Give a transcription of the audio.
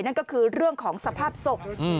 นั่นก็คือเรื่องของสภาพศพ